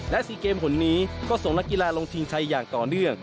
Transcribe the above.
และ๔เกมคนนี้ก็ส่งนักกีฬาลงทีมไทยอย่างต่อเนื่อง